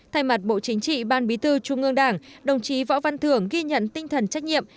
thay mặt bộ chính trị ban bí thư trung ương đảng đồng chí võ văn thưởng ghi nhận tinh thần trách nhiệm